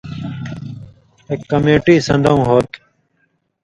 ایک کمیٹی سن٘دؤں ہوتُھو